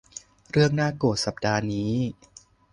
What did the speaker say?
เรื่องน่าโกรธสัปดาห์นี้